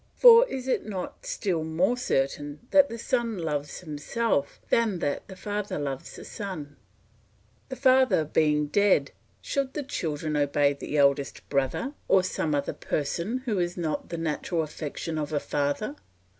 For is it not still more certain that the son loves himself, than that the father loves the son? The father being dead, should the children obey the eldest brother, or some other person who has not the natural affection of a father?